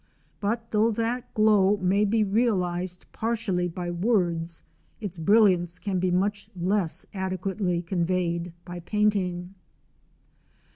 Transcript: But though that glow may be realised partially by words, its brilliance can be much less adequately conveyed by painting.